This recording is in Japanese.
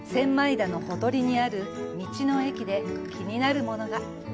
田のほとりにある道の駅で気になるものが。